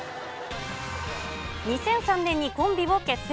２００３年にコンビを結成。